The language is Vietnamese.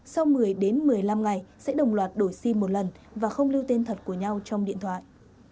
sau một mươi đến một mươi năm ngày sẽ đồng loạt đổi sim một lần và không lưu tên thật của nhau trong điện thoại